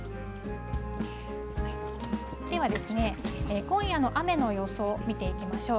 では、今夜の雨の予想、見ていきましょう。